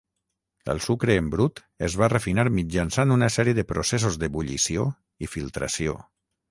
El sucre en brut es va refinar mitjançant una sèrie de processos d'ebullició i filtració.